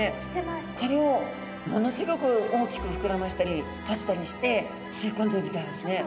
これをものすギョく大きく膨らましたり閉じたりして吸い込んでるみたいですね。